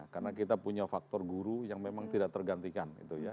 karena kita punya faktor guru yang memang tidak tergantikan